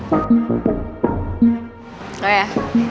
ya tapi kita harus berhenti